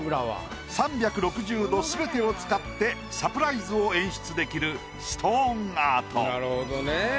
３６０度すべてを使ってサプライズを演出できるストーンアート。